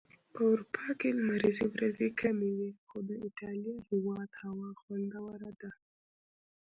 په اروپا کي لمريزي ورځي کمی وي.خو د ايټاليا هيواد هوا خوندوره ده